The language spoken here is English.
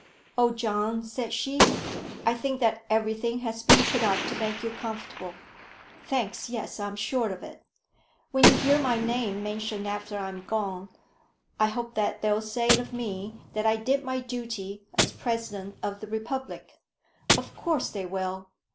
"Oh, John," said she, "I think that everything has been put up to make you comfortable." "Thanks; yes, I'm sure of it. When you hear my name mentioned after I am gone, I hope that they'll say of me that I did my duty as President of the republic." "Of course they will.